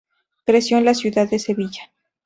Creció en la ciudad de Sevilla.